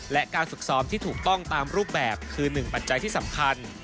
และการฝึกซ้อมที่ถูกต้องตามรูปแบบคือหนึ่งปัจจัยที่สำคัญ